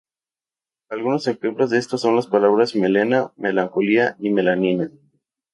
Algunos ejemplos de esto son las palabras melena, melancolía y melanina.